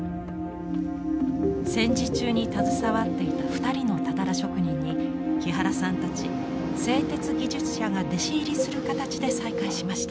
戦時中に携わっていた２人のたたら職人に木原さんたち製鉄技術者が弟子入りする形で再開しました。